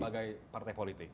sebagai partai politik